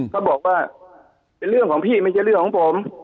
เขาบอกว่าเป็นเรื่องของพี่ไม่ใช่เรื่องของผม